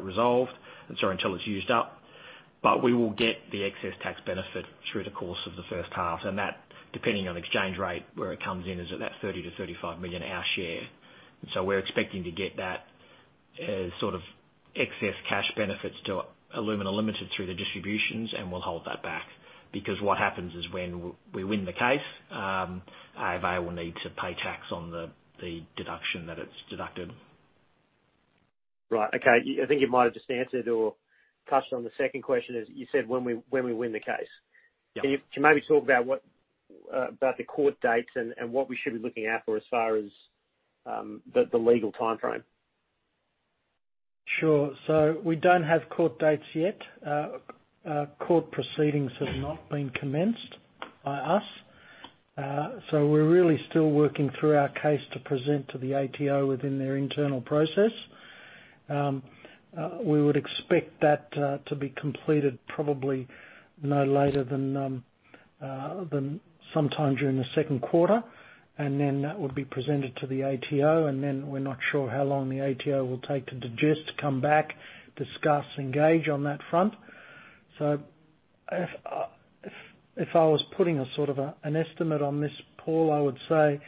resolved, and so until it's used up. We will get the excess tax benefit through the course of the first half, and that, depending on exchange rate, where it comes in is at that 30 million-35 million our share. We're expecting to get that as sort of excess cash benefits to Alumina Limited through the distributions, and we'll hold that back because what happens is when we win the case, AWAC will need to pay tax on the deduction that it's deducted. Right. Okay. I think you might have just answered or touched on the second question, as you said, when we win the case. Yeah. Can you maybe talk about the court dates and what we should be looking out for as far as the legal timeframe? Sure. We don't have court dates yet. Court proceedings have not been commenced by us. We're really still working through our case to present to the ATO within their internal process. We would expect that to be completed probably no later than sometime during the second quarter, and then that would be presented to the ATO, and then we're not sure how long the ATO will take to digest, come back, discuss, engage on that front. If I was putting a sort of an estimate on this, Paul, I would say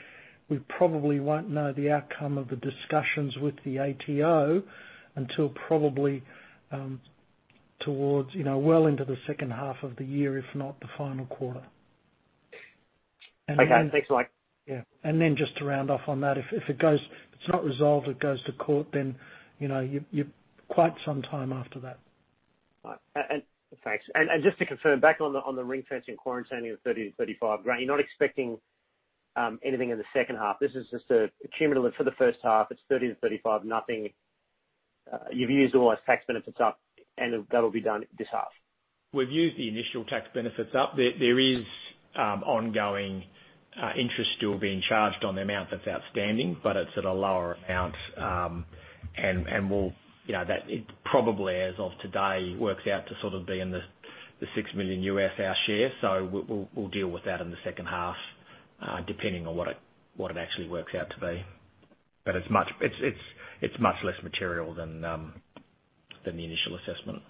we probably won't know the outcome of the discussions with the ATO until probably towards well into the second half of the year, if not the final quarter. Okay. Thanks a lot. Yeah. Just to round off on that, if it's not resolved, it goes to court, then you've quite some time after that. Right. Thanks. Just to confirm, back on the ring-fencing quarantining of 30-35, Grant, you're not expecting anything in the second half? This is just accumulatively for the first half, it's 30-35, nothing. You've used all those tax benefits up and that'll be done this half. We've used the initial tax benefits up. There is ongoing interest still being charged on the amount that's outstanding, but it's at a lower amount. It probably, as of today, works out to sort of be in the $6 million our share. We'll deal with that in the second half, depending on what it actually works out to be. It's much less material than the initial assessment.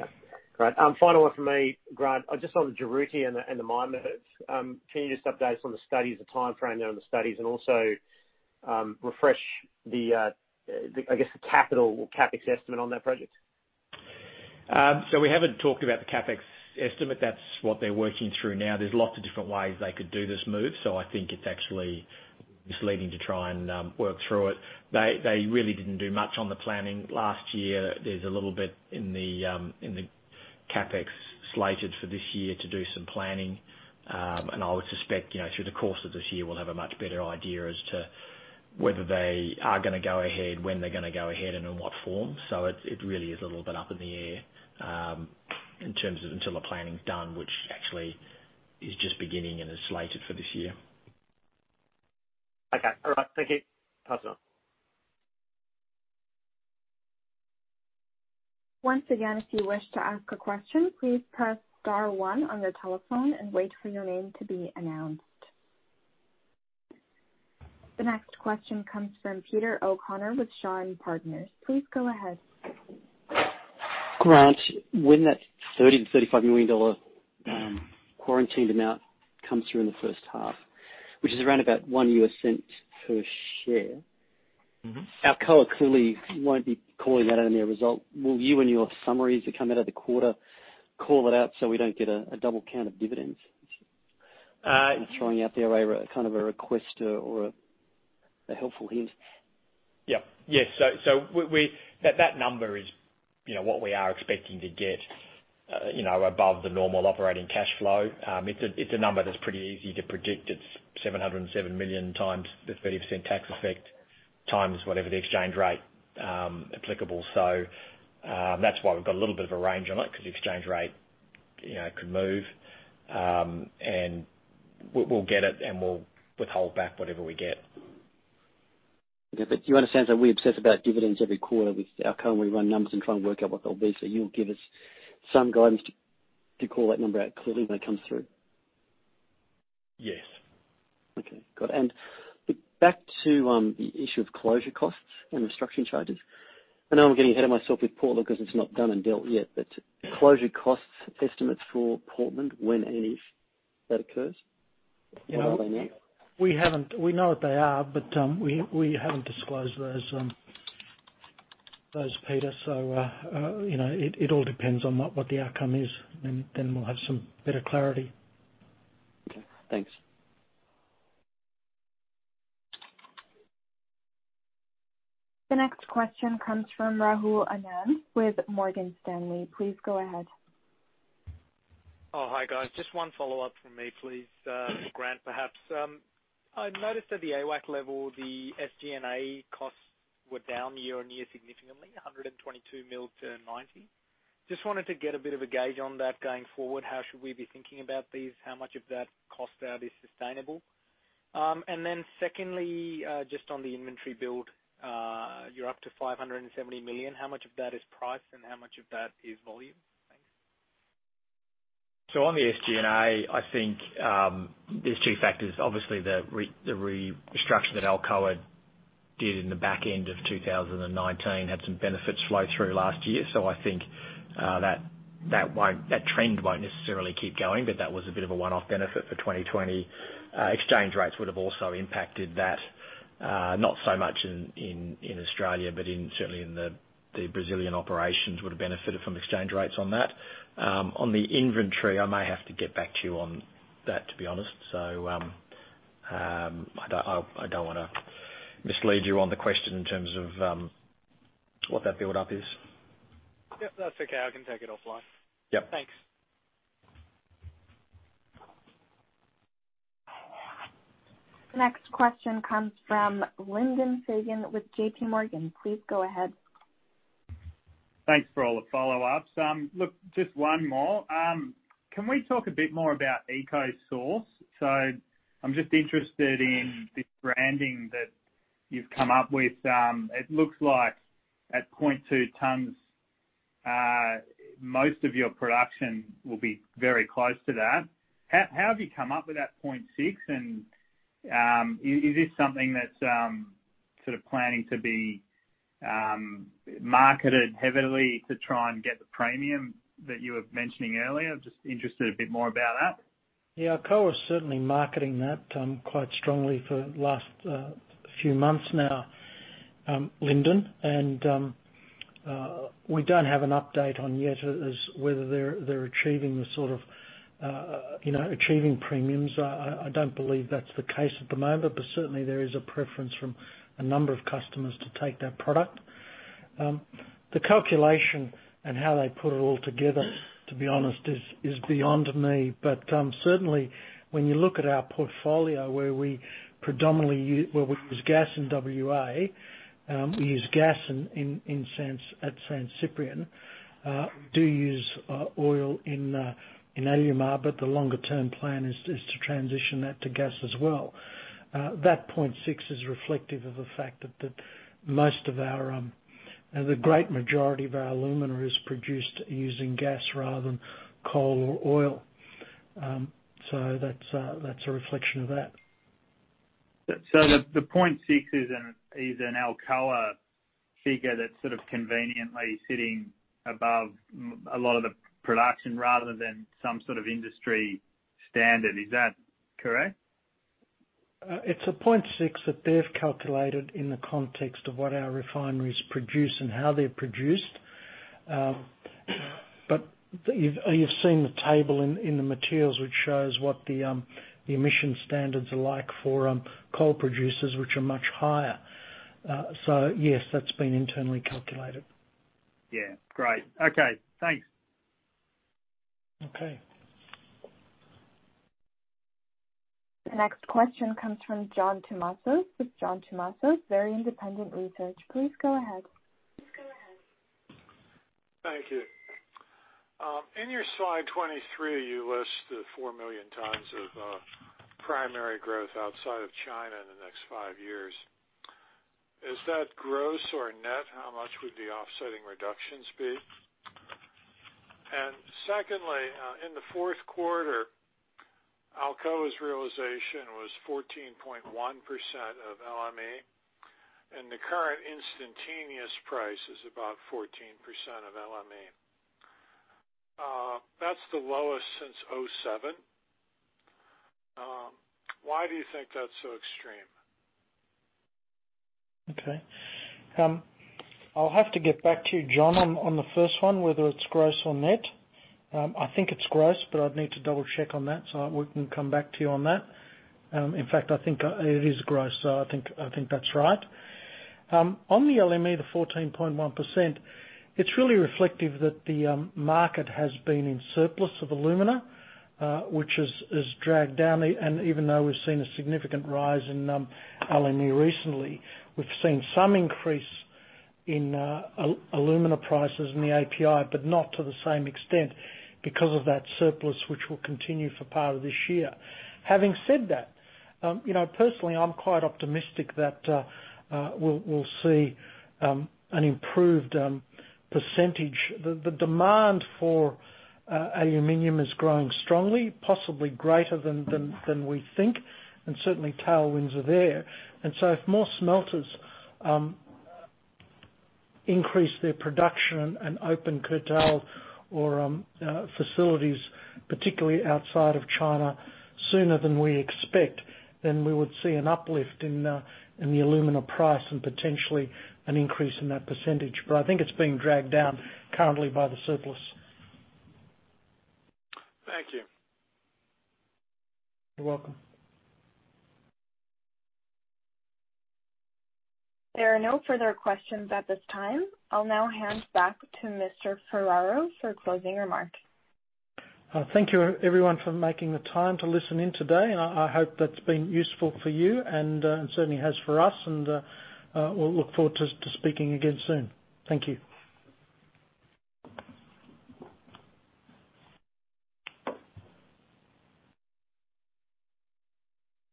Okay. Great. Final one from me, Grant. Just on the Juruti and the mine moves. Can you just update us on the studies, the timeframe there on the studies, and also refresh, I guess the capital CapEx estimate on that project? We haven't talked about the CapEx estimate. That's what they're working through now. There's lots of different ways they could do this move, so I think it's actually misleading to try and work through it. They really didn't do much on the planning last year. There's a little bit in the CapEx slated for this year to do some planning. I would suspect, through the course of this year, we'll have a much better idea as to whether they are gonna go ahead, when they're gonna go ahead, and in what form. It really is a little bit up in the air in terms of until the planning's done, which actually is just beginning and is slated for this year. Okay. All right. Thank you. Passing on. Once again, if you wish to ask a question, please press star one on your telephone and wait for your name to be announced. The next question comes from Peter O'Connor with Shaw and Partners. Please go ahead. Grant, when that 30 million-35 million dollar quarantined amount comes through in the first half, which is around about $0.01 per share. Alcoa clearly won't be calling that out in their result. Will you, in your summaries that come out of the quarter, call it out so we don't get a double count of dividends? I'm throwing out there a kind of a request or a helpful hint. Yep. Yes. That number is what we are expecting to get above the normal operating cash flow. It's a number that's pretty easy to predict. It's 707 million times the 30% tax effect, times whatever the exchange rate applicable. That's why we've got a little bit of a range on it, because the exchange rate could move. We'll get it, and we'll withhold back whatever we get. Okay. You understand, we obsess about dividends every quarter with Alcoa. We run numbers and try and work out what they'll be. You'll give us some guidance to call that number out clearly when it comes through? Yes. Okay. Good. Back to the issue of closure costs and restructuring charges. I know I'm getting ahead of myself with Portland because it's not done and dealt yet, but closure costs estimates for Portland, when any of that occurs, what are they now? We know what they are, but we haven't disclosed those, Peter. It all depends on what the outcome is, then we'll have some better clarity. Okay. Thanks. The next question comes from Rahul Anand with Morgan Stanley. Please go ahead. Oh, hi guys. Just one follow-up from me, please. Grant, perhaps. I noticed at the AWAC level the SG&A costs were down year-on-year significantly, 122 million to 90 million. Just wanted to get a bit of a gauge on that going forward. How should we be thinking about these? How much of that cost there is sustainable? Secondly, just on the inventory build, you're up to 570 million. How much of that is price and how much of that is volume? Thanks. On the SG&A, I think there's two factors. Obviously, the restructure that Alcoa did in the back end of 2019 had some benefits flow through last year. I think that trend won't necessarily keep going, but that was a bit of a one-off benefit for 2020. Exchange rates would have also impacted that. Not so much in Australia, but certainly in the Brazilian operations, would have benefited from exchange rates on that. On the inventory, I may have to get back to you on that, to be honest. I don't want to mislead you on the question in terms of what that buildup is. Yep, that's okay. I can take it offline. Yep. Thanks. Next question comes from Lyndon Fagan with JPMorgan. Please go ahead. Thanks for all the follow-ups. Look, just one more. Can we talk a bit more about EcoSource? I'm just interested in this branding that you've come up with. It looks like at 0.2 tons, most of your production will be very close to that. How have you come up with that 0.6? Is this something that's sort of planning to be marketed heavily to try and get the premium that you were mentioning earlier? Just interested a bit more about that. Yeah. Alcoa is certainly marketing that quite strongly for last few months now, Lyndon. We don't have an update on yet as whether they're achieving premiums. I don't believe that's the case at the moment. Certainly there is a preference from a number of customers to take that product. The calculation and how they put it all together, to be honest, is beyond me. Certainly when you look at our portfolio where we use gas in W.A., we use gas at San Ciprián, we do use oil in Alumar, but the longer-term plan is to transition that to gas as well. That 0.6 is reflective of the fact that the great majority of our alumina is produced using gas rather than coal or oil. That's a reflection of that. The 0.6 is an Alcoa figure that's sort of conveniently sitting above a lot of the production rather than some sort of industry standard. Is that correct? It's a 0.6 that they've calculated in the context of what our refineries produce and how they're produced. You've seen the table in the materials, which shows what the emission standards are like for coal producers, which are much higher. Yes, that's been internally calculated. Yeah. Great. Okay. Thanks. Okay. The next question comes from John Tumazos with John Tumazos Very Independent Research. Please go ahead. Thank you. In your slide 23, you list the four million tons of primary growth outside of China in the next five years. Is that gross or net? How much would the offsetting reductions be? Secondly, in the fourth quarter, Alcoa's realization was 14.1% of LME, and the current instantaneous price is about 14% of LME. That's the lowest since 2007. Why do you think that's so extreme? Okay. I'll have to get back to you, John, on the first one, whether it's gross or net. I think it's gross. I'd need to double-check on that. We can come back to you on that. In fact, I think it is gross. I think that's right. On the LME, the 14.1%, it's really reflective that the market has been in surplus of alumina, which has dragged down. Even though we've seen a significant rise in LME recently, we've seen some increase in alumina prices in the API, but not to the same extent because of that surplus, which will continue for part of this year. Having said that, personally, I'm quite optimistic that we'll see an improved percentage. The demand for aluminum is growing strongly, possibly greater than we think, and certainly tailwinds are there. If more smelters increase their production and open curtail or facilities, particularly outside of China, sooner than we expect, then we would see an uplift in the alumina price and potentially an increase in that percentage. I think it's being dragged down currently by the surplus. Thank you. You're welcome. There are no further questions at this time. I'll now hand back to Mr. Ferraro for closing remarks. Thank you everyone for making the time to listen in today. I hope that's been useful for you, and it certainly has for us, and we'll look forward to speaking again soon. Thank you.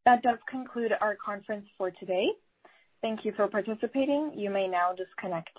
That does conclude our conference for today. Thank you for participating. You may now disconnect.